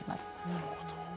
なるほど。